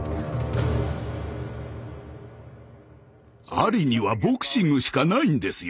アリにはボクシングしかないんですよ。